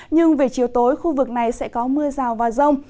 nhưng về chiều tối khu vực này sẽ có mưa rào và rông